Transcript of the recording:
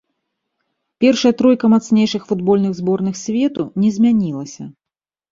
Першая тройка мацнейшых футбольных зборных свету не змянілася.